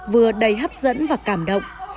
vừa đầy hấp dẫn và cảm động